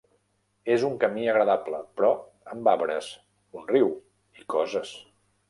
És un camí agradable, però, amb arbres, un riu i coses.